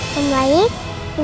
semuanya ini pun penuh